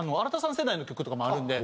世代の曲とかもあるんで。